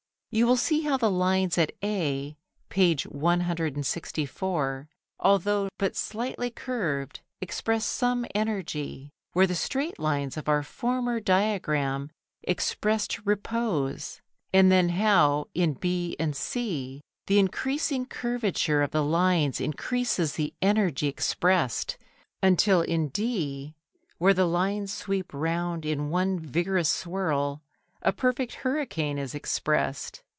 You will see how the lines at A, page 164 [Transcribers Note: Diagram XIV], although but slightly curved, express some energy, where the straight lines of our former diagram expressed repose, and then how in B and C the increasing curvature of the lines increases the energy expressed, until in D, where the lines sweep round in one vigorous swirl, a perfect hurricane is expressed.